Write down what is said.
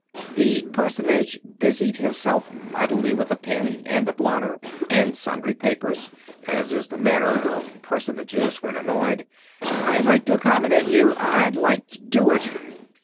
The personage busied himself mightily with a pen, and a blotter, and sundry papers, as is the manner of personages when annoyed. "I'd like to accommodate you; I'd like to do it."